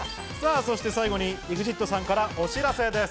そして最後にＥＸＩＴさんからお知らせです。